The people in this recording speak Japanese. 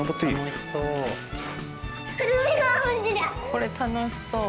これ楽しそう。